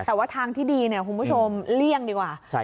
แต่ว่าทางที่ดีเนี่ยคุณผู้ชมเลี่ยงดีกว่า